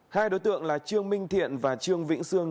hai đối tượng là trương minh thiện và trương vĩnh sương